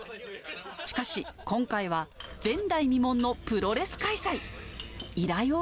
しかし、今回は前代未聞のプロレス開催。